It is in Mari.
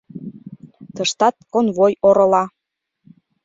Тыштат конвой орола.